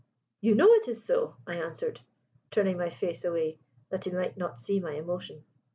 "You know it is so," I answered, turning my face away that he might not see my emotion.